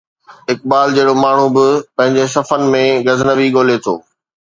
اقبال جهڙو ماڻهو به پنهنجي صفن ۾ غزنوي ڳولي ٿو.